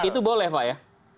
itu boleh pak ya